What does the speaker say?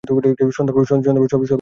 সন্ধ্যার পর সর্বজয়া ভাত চড়াইয়াছিল।